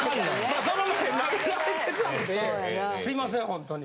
まあその前投げられてたんですいませんほんとに。